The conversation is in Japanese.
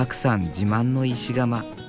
自慢の石窯。